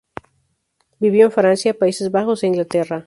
Vivió en Francia, Países Bajos e Inglaterra.